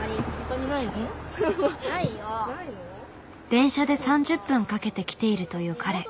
電車で３０分かけて来ているという彼。